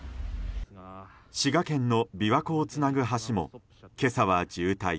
滋賀県の琵琶湖をつなぐ橋も今朝は渋滞。